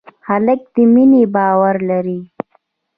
هلک د مینې باور لري.